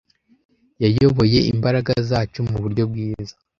Yayoboye imbaraga zacu muburyo bwiza.